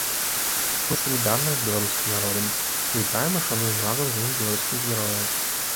Мы салідарныя з беларускім народам, вітаем і шануем разам з імі беларускіх герояў.